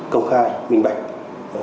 công khai minh bạch